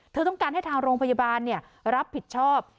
เธอต้องการให้ทางโรงพยาบาลรับผิดชอบ